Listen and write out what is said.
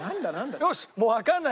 よしもうわかんない。